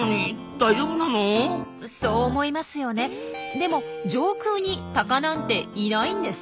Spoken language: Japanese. でも上空にタカなんていないんです。